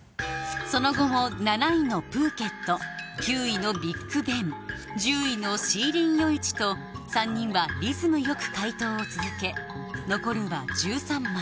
その後も７位の「プーケット」９位の「ビッグベン」１０位の「士林夜市」と３人はリズムよく解答を続け残るは１３枚